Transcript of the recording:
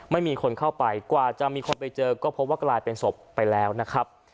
ไม่มีคนเข้าไปกว่าจะมีคนไปเจอก็พบว่ากลายเป็นศพไปแล้วนะครับ